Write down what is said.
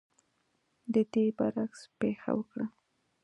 د دې برعکس پېښه وکړه.